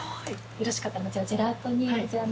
よろしかったら。